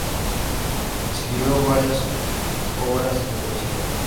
Escribió varias obras de poesía.